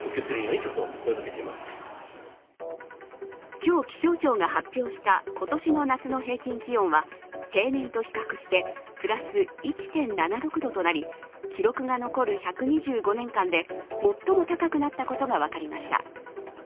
今日、気象庁が発表した今年の夏の平均気温は平年と比較してプラス１．７６度となり記録が残る１２５年間で最も高くなったことが分かりました。